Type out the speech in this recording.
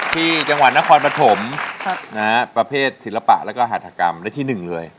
ที่จังหวัดนครปฐมประเภทศิลปะแล้วก็หัฐกรรมและที่๑เลย